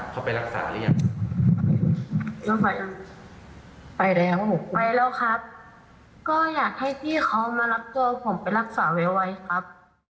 เขาไปรักษาหรือยังแล้วไปแล้วครับก็อยากให้พี่เขามารับตัวผมไปรักษาไว้ครับ